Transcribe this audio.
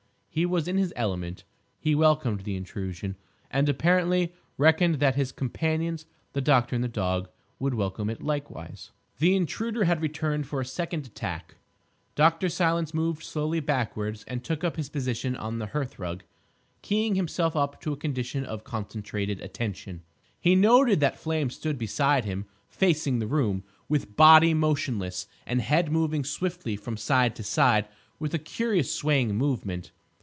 He was in his element. He welcomed the intrusion, and apparently reckoned that his companions, the doctor and the dog, would welcome it likewise. The Intruder had returned for a second attack. Dr. Silence moved slowly backwards and took up his position on the hearthrug, keying himself up to a condition of concentrated attention. He noted that Flame stood beside him, facing the room, with body motionless, and head moving swiftly from side to side with a curious swaying movement.